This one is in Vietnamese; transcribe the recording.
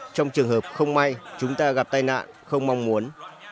trong trường hợp không may chúng ta gặp tai nạn không mong muốn